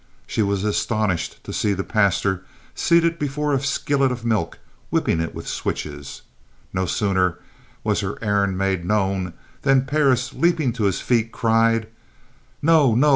She was astonished to see their pastor seated before a skillet of milk whipping it with switches. No sooner was her errand made known, than Parris, leaping to his feet, cried: "No! no!